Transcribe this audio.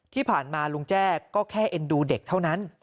ที่ผ่านมาลุงแจ้ก็แค่เอ็นดูเด็กเท่านั้น